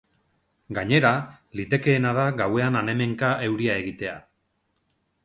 Gainera, litekeena da gauean han hemenka euria egitea.